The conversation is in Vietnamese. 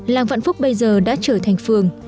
làng vạn phúc bây giờ đã trở thành phường